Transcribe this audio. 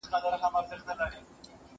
زه چپنه پاک کړې ده،